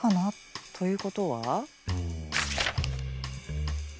ということは？